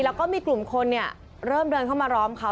แล้วก็มีกลุ่มคนเริ่มเดินเข้ามาล้อมเขา